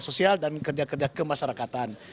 sosial dan kerja kerja kemasyarakatan